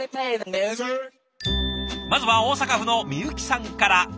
まずは大阪府のみゆきさんから。